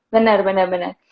benar benar benar